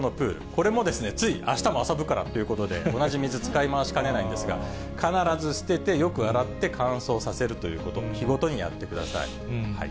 これも、ついあしたも遊ぶからということで、同じ水、使い回しかねないんですが、必ず捨てて、よく洗って乾燥させるということ、日ごとにやってください。